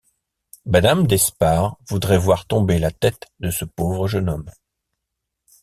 Madame d’Espard voudrait voir tomber la tête de ce pauvre jeune homme.